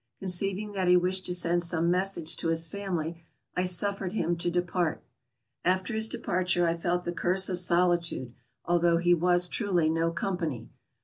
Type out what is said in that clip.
Conceiving that he wished to send some message to his family, I suffered him to depart. After his departure I felt the curse of solitude, although he was truly no company.